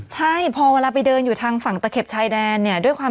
ใช่พอเวลาไปเดินอยู่ทางฝั่งตะเข็บชายดาน